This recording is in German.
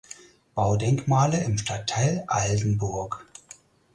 Baudenkmale im Stadtteil Aldenburg.